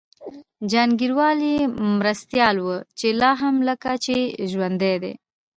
جهانګیروال یې مرستیال و چي لا هم لکه چي ژوندی دی